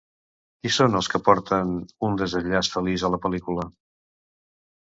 Qui són els que porten un desenllaç feliç a la pel·lícula?